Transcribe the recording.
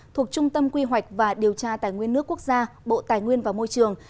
thuộc trung tâm quy hoạch và điều tra tài nguyên nước quốc gia bộ tài nguyên và môi trường